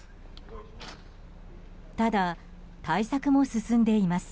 ただ、対策も進んでいます。